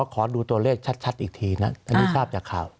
ขอดูตัวเลขชัดอีกทีนะอันนี้ทราบจากข่าว